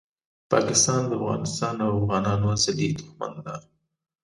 پاکستان دافغانستان او افغانانو ازلي دښمن ده